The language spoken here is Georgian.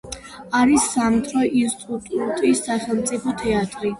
არის სამთო ინსტიტუტი, სახელმწიფო თეატრი.